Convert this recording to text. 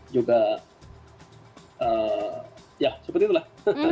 juga ya seperti itulah